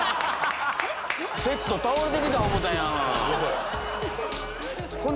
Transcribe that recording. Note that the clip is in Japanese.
セット倒れてきた思うたやん。